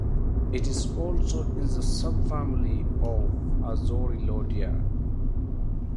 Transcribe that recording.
It is also in the subfamily of "Azorelloideae".